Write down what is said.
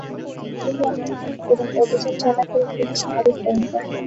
তিনি অংশ নেন এবং অভিযান চলাকালীন তিনি শাহাদাত বরণ করেন।